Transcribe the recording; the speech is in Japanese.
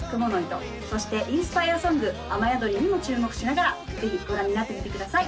糸」そしてインスパイアソング「雨宿り」にも注目しながらぜひご覧になってみてください